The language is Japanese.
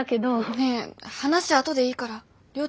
ねえ話あとでいいからりょー